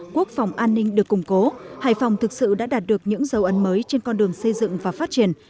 quốc phòng an ninh được củng cố hải phòng thực sự đã đạt được những dấu ấn mới trên con đường xây dựng và phát triển